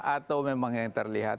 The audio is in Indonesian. atau memang yang terlihat